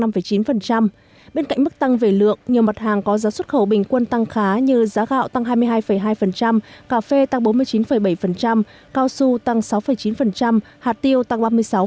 bên cạnh mức tăng về lượng nhiều mặt hàng có giá xuất khẩu bình quân tăng khá như giá gạo tăng hai mươi hai hai cà phê tăng bốn mươi chín bảy cao su tăng sáu chín hạt tiêu tăng ba mươi sáu